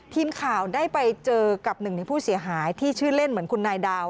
ทีมข่าวได้ไปเจอกับหนึ่งในผู้เสียหายที่ชื่อเล่นเหมือนคุณนายดาว